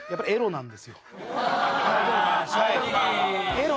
エロ！